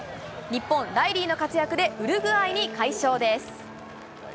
日本、ライリーの活躍でウルグアイに快勝です。